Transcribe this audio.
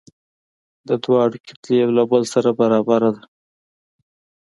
د دواړو کتلې یو له بل سره برابره ده.